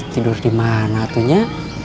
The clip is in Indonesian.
tidur dimana atunya